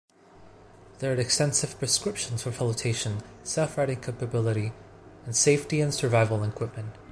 There are extensive prescriptions for flotation, self-righting capability, and safety and survival equipment.